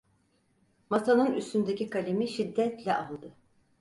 Masanın üstündeki kalemi şiddetle aldı…